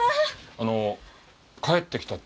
あの帰ってきたって。